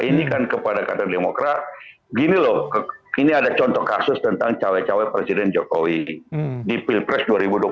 ini kan kepada kader demokrat gini loh ini ada contoh kasus tentang cawe cawe presiden jokowi di pilpres dua ribu dua puluh